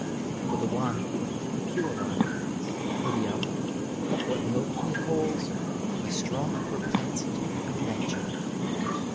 For the one, the pure life ; for the other, what Milton calls " a strong propensity of nature."